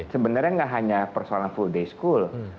sebenarnya nggak hanya persoalan full day school